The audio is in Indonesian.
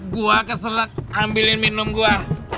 gua keselak ambilin minum gua